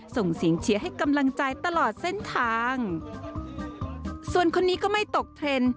ส่งเสียงเชียร์ให้กำลังใจตลอดเส้นทางส่วนคนนี้ก็ไม่ตกเทรนด์